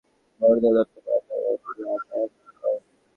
জোহরের নামাজের আগে তাঁর মরদেহ দত্তপাড়া জামে মসজিদের মাঠে আনা হয়।